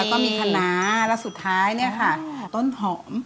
แล้วก็มีคณะแล้วสุดท้ายเนี่ยค่ะต้นหอม